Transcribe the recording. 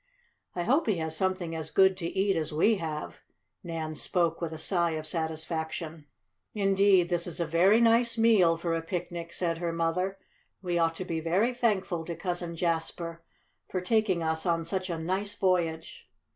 "I hope he has something as good to eat as we have." Nan spoke with a sigh of satisfaction. "Indeed, this is a very nice meal, for a picnic," said her mother. "We ought to be very thankful to Cousin Jasper for taking us on such a nice voyage."